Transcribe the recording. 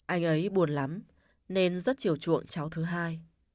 anh ấy buồn lắm nên rất chiều chuộng cháu thứ hai